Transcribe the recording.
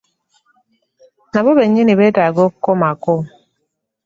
Nabo bennyini beetaaga okukomako.